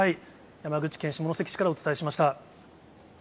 山口県下関市からお伝えしました。